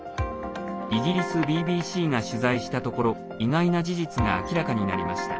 イギリスＢＢＣが取材したところ意外な事実が明らかになりました。